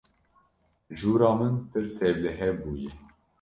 Jûra min pir tevlihev bûye.